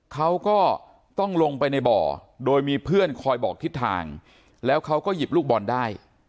เขาก็ต้องลงไปในบ่อโดยมีเพื่อนคอยบอกทิศทางแล้วเขาก็หยิบลูกบอลได้